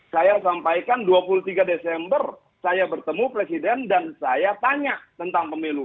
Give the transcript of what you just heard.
saya sampaikan dua puluh tiga desember saya bertemu presiden dan saya tanya tentang pemilu